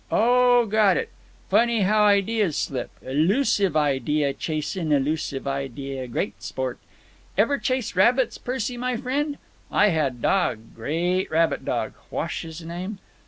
Oh, got it! Funny how ideas slip. Elusive idea—chasin' elusive idea—great sport. Ever chase rabbits, Percy, my frien'? I had dog—great rabbit dog. Whash 'is name?